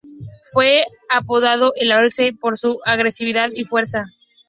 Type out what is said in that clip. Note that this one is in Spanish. Fue apodado "El Alce" por su agresividad y fuerza.